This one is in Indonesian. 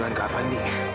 kenapa kau kesukaan ngynit